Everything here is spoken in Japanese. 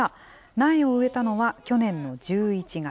苗を植えたのは去年の１１月。